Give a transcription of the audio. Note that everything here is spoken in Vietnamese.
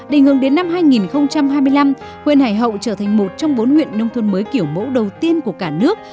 để ngừng đến năm hai nghìn hai mươi năm huyện hải hậu trở thành một trong bốn huyện nông thuần mới kiểu mẫu đầu tiên của cả nước